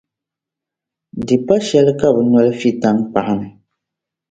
di pa shɛli ka bɛ no li fi taŋkpaɣu ni.